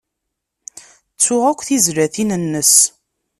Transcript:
Ttuɣ akk tizlatin-nnes.